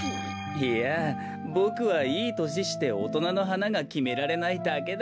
いやボクはいいとししておとなのはながきめられないだけだから。